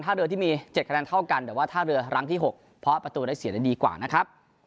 ถ้าเรือที่มี๗คะแนนเท่ากันแต่ว่าท่าเรือรั้งที่๖เพราะประตูได้เสียได้ดีกว่านะครับ